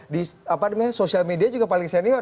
di sosial media juga paling senior